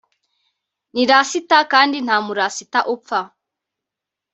ni Rasita kandi nta murasita upfa